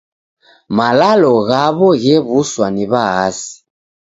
Malalo ghaw'o ghew'uswa ni W'aasi.